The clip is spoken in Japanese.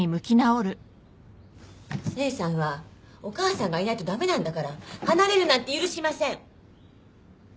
清さんはお母さんがいないと駄目なんだから離れるなんて許しません。